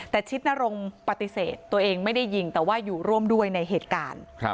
แต่ชิดนรงค์ปฏิเสธตัวเองไม่ได้ยิงแต่ว่าอยู่ร่วมด้วยในเหตุการณ์